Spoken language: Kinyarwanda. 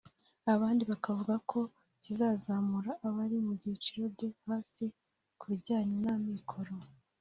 abandi bavuga ko kizazamura abari mu byiciro byo hasi ku bijyanye n’amikoro